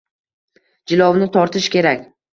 Jilovni tortish kerak